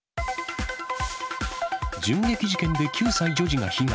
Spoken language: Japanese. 銃撃事件で９歳女児が被害。